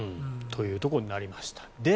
というところになりました。